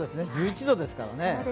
１１度ですからね。